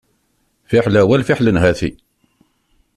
Fiḥel awal fiḥel nhati.